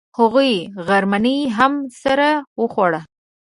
هغوی غرمنۍ هم سره وخوړه.